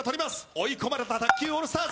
追い込まれた卓球オールスターズ。